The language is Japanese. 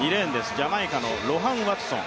ジャマイカのロハン・ワトソン。